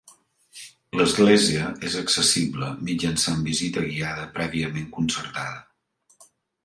L'església és accessible mitjançant visita guiada prèviament concertada.